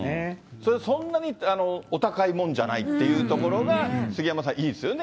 そんなにお高いもんじゃないというところが、杉山さん、いいですよね。